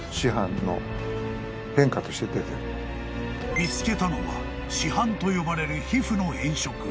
［見つけたのは死斑と呼ばれる皮膚の変色］